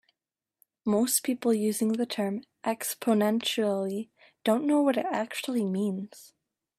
Most people using the term "exponentially" don't know what it actually means.